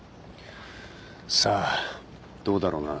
さあどうだろうな。